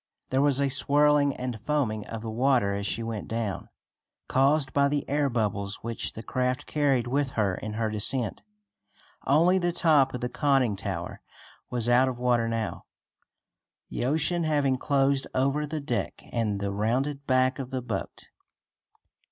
There was a swirling and foaming of the water as she went down, caused by the air bubbles which the craft carried with her in her descent. Only the top of the conning tower was out of water now, the ocean having closed over the deck and the rounded back of the boat.